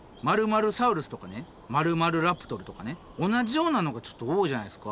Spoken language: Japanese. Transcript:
○サウルスとかね○○ラプトルとかね同じようなのがちょっと多いじゃないですか。